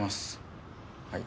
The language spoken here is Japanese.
はい。